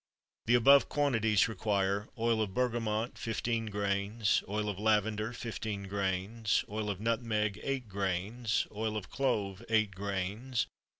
The above quantities require: Oil of bergamot 15 grains. Oil of lavender 15 grains. Oil of nutmeg 8 grains. Oil of clove 8 grains.